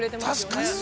◆確かに。